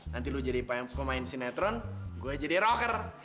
nanti kamu jadi pemain sinetron saya jadi rocker